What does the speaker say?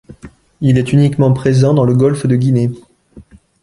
Il est uniquement présent dans le golfe de Guinée.